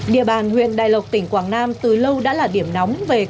địa bàn huyện đài lộc tỉnh quảng nam từ lâu đã là điểm nóng về